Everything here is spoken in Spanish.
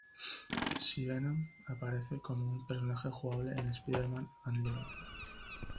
She-Venom aparece como un personaje jugable en "Spider-Man Unlimited".